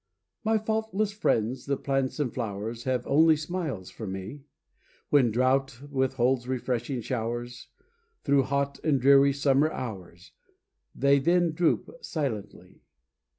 My faultless friends, the plants and flowers, Have only smiles for me. When drought withholds refreshing showers, Through hot and dreary summer hours, They then droop silently.